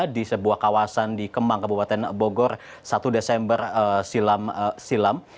di sebuah kawasan di kemang kabupaten bogor satu desember silam